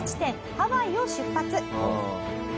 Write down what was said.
ハワイを出発。